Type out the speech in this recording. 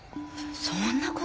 そんな事。